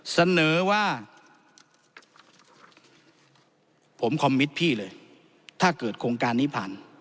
เสนอว่าผมคอมมิตพี่เลยถ้าเกิดโครงการนี้ผ่าน